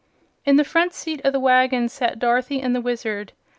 In the front seat of the wagon sat Dorothy and the Wizard.